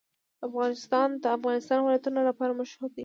افغانستان د د افغانستان ولايتونه لپاره مشهور دی.